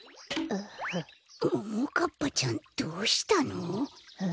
ももかっぱちゃんどうしたの？